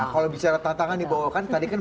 kalau bicara tantangan tadi kan